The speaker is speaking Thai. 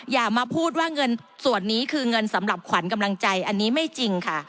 อย่ามาพูดว่าเงินส่วนนี้คือเงินสำหรับขวัญกำลังใจอันนี้ไม่จริงค่ะ